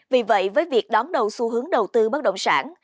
vì vậy với việc đón đầu xu hướng đầu tư bất động sản